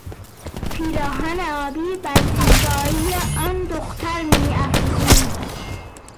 پیراهن آبی بر زیبایی آن دختر میافزود.